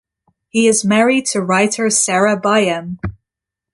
He is married to writer Sarah Byam.